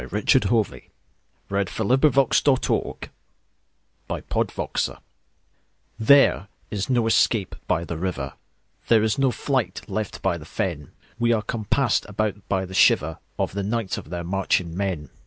Richard Hovey At the End of the Day THERE is no escape by the river, There is no flight left by the fen; We are compassed about by the shiverOf the night of their marching men.